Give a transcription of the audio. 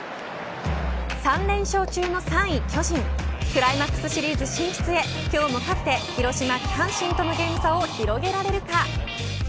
３連勝中の３位巨人クライマックスシリーズ進出へ今日も勝って広島、阪神とのゲーム差を広げられるか。